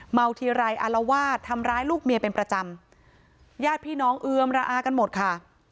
เมาทีไรอารวาสทำร้ายลูกเมียเป็นประจำญาติพี่น้องเอือมระอากันหมดค่ะ